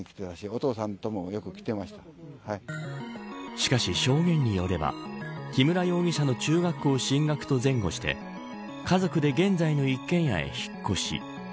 しかし、証言によれば木村容疑者の中学校進学と前後して家族で現在の一軒家へ引っ越し。